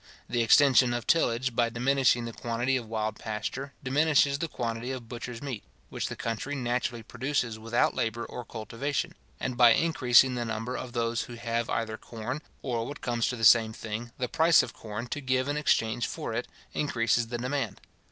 The extension of tillage, by diminishing the quantity of wild pasture, diminishes the quantity of butcher's meat, which the country naturally produces without labour or cultivation; and, by increasing the number of those who have either corn, or, what comes to the same thing, the price of corn, to give in exchange for it, increases the demand.